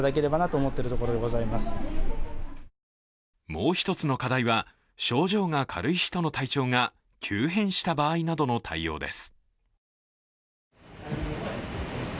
もう一つの課題は、症状が軽い人の体調が急変した場合などの対応です。